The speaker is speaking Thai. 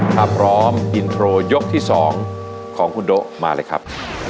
พร้อมยกที่สองของคุณโดะมาเลยครับ